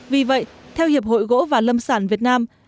vì vậy theo hiệp hội gỗ và lâm sản việt nam